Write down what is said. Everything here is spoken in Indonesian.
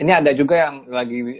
ini ada juga yang lagi